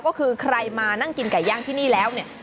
ก็คือใครมานั่งกินไก่ย่างที่นี่แล้วเนี่ย